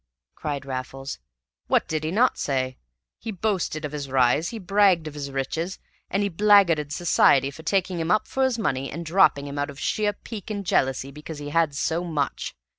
cried Raffles. "What did he not say! He boasted of his rise, he bragged of his riches, and he blackguarded society for taking him up for his money and dropping him out of sheer pique and jealousy because he had so much.